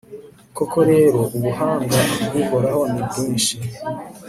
koko rero, ubuhanga bw'uhoraho ni bwinshi